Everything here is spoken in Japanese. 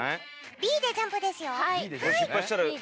Ｂでジャンプですよ。